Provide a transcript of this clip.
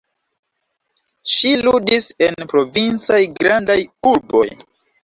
Ŝi ludis en provincaj grandaj urboj.